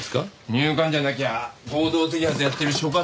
入管じゃなきゃ合同摘発やってる所轄のほうかもな。